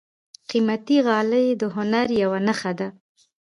قیمتي غالۍ د هنر یوه نښه ده.